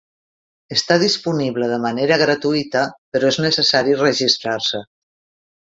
Està disponible de manera gratuïta, però és necessari registrar-se.